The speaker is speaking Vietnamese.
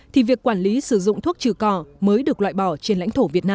thì việc quản lý sử dụng thuốc trừ cỏ mới được loại bỏ trên lãnh thổ việt nam